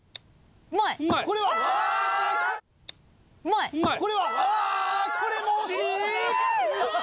あこれも惜しい！